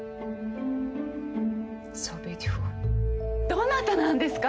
どなたなんですか？